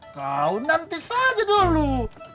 kau nanti saja dong